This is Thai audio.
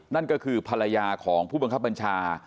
นั่นก็คือภรรยาของผู้บังคับบัญชา